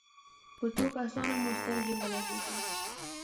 په څو کسانو مو سترګې ولګېدې.